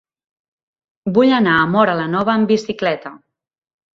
Vull anar a Móra la Nova amb bicicleta.